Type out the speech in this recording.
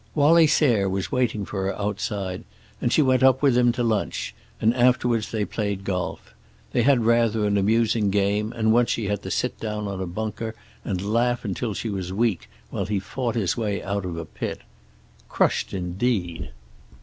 Wallie Sayre was waiting for her outside, and she went up with him to lunch, and afterwards they played golf. They had rather an amusing game, and once she had to sit down on a bunker and laugh until she was weak, while he fought his way out of a pit. Crushed, indeed!